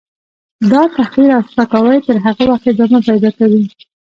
. دا تحقیر او سپکاوی تر هغه وخته ادامه پیدا کوي.